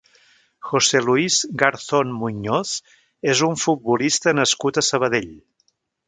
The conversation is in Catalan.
José Luis Garzón Muñoz és un futbolista nascut a Sabadell.